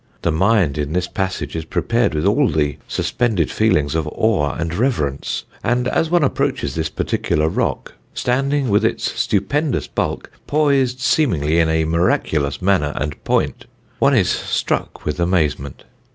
The mind in this passage is prepared with all the suspended feelings of awe and reverence, and as one approaches this particular rock, standing with its stupendous bulk poised, seemingly in a miraculous manner and point, one is struck with amazement.